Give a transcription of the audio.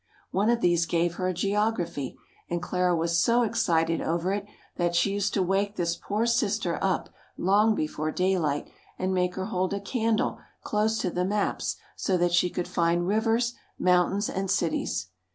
One of these gave her a geography, and Clara was so excited over it that she used to wake this poor sister up long before daylight, and make her hold a candle close to the maps so that she could find rivers, mountains, and cities.